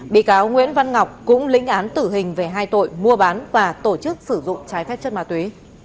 bị cáo nguyễn văn ngọc cũng lĩnh án tử hình về hai tội mua bán và tổ chức sử dụng trái phép chất ma túy